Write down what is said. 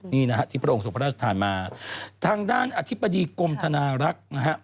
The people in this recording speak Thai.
นี่นะฮะที่พระองค์ส่งพระราชทานมาทางด้านอธิบดีกรมธนารักษ์นะฮะ